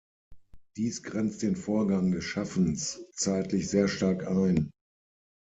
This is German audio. Dies grenzt den Vorgang des Schaffens zeitlich sehr stark ein.